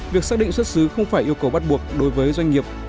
việc xác định xuất xứ không phải yêu cầu bắt buộc đối với doanh nghiệp